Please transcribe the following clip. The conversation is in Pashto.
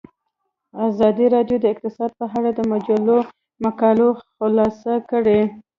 ازادي راډیو د اقتصاد په اړه د مجلو مقالو خلاصه کړې.